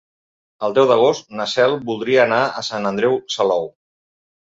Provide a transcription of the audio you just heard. El deu d'agost na Cel voldria anar a Sant Andreu Salou.